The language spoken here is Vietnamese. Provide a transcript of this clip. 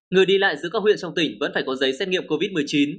người đi lại giữa các huyện trong tỉnh vẫn phải có giấy xét nghiệm covid một mươi chín